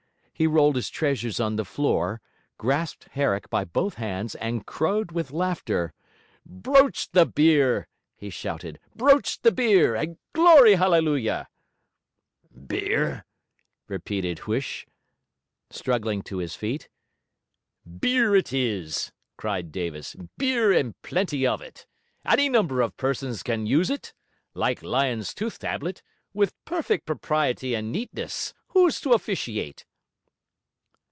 He rolled his treasures on the floor, grasped Herrick by both hands, and crowed with laughter. 'Broach the beer!' he shouted. 'Broach the beer, and glory hallelujah!' 'Beer?' repeated Huish, struggling to his feet. 'Beer it is!' cried Davis. 'Beer and plenty of it. Any number of persons can use it (like Lyon's tooth tablet) with perfect propriety and neatness. Who's to officiate?'